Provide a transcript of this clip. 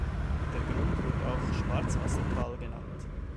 Der Grund wird auch Schwarzwassertal genannt.